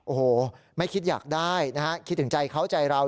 โอ้โหไม่คิดอยากได้นะฮะคิดถึงใจเขาใจเรา